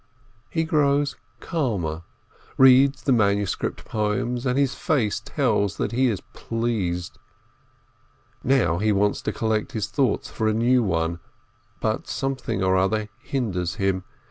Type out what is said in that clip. He grows calmer, reads the manuscript poems, and his face tells that he is pleased. Now he wants to collect his thoughts for the new one, but something or other hinders him.